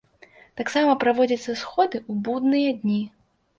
Таксама праводзяцца сходы ў будныя дні.